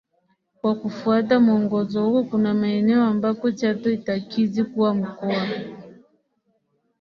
Kwa kufuata mwongozo huo kuna maeneo ambako Chato itakidhi kuwa mkoa